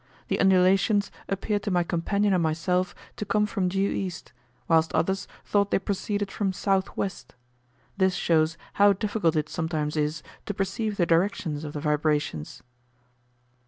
The undulations appeared to my companion and myself to come from due east, whilst others thought they proceeded from south west: this shows how difficult it sometimes is to perceive the directions of the vibrations.